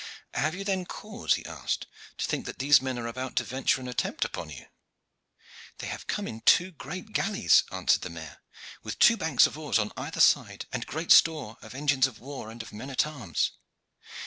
"Have you then cause," he asked, "to think that these men are about to venture an attempt upon you?" "They have come in two great galleys," answered the mayor, "with two bank of oars on either side, and great store of engines of war and of men at arms.